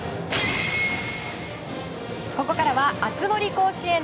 ここからは熱盛甲子園。